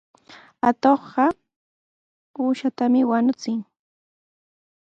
Atuqqa uushatami wañuchin.